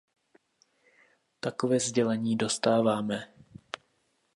Takové sdělení dostáváme.